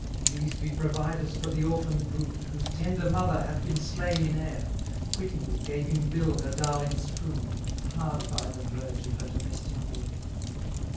These be providers for the orphan brood, Whose tender mother hath been slain in air, Quitting with gaping bill her darling's food, Hard by the verge of her domestic wood."